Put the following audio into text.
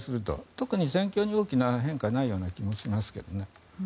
特に戦況に大きな変化がないような気もしますけどね。